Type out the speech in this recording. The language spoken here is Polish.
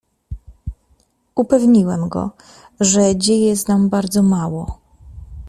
"Upewniłem go, że dzieje znam bardzo mało."